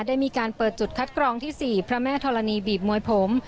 ได้มีการเปิดจุดคัดกรองที่๔พระแม่ธรณีบีบมวยผม